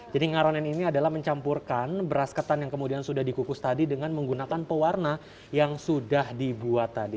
jadi ngaronin ini adalah mencampurkan beras ketan yang kemudian sudah dikukus tadi dengan menggunakan pewarna yang sudah dibuat tadi